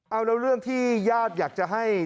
เอาแล้วเรื่องที่ญาติอยากจะให้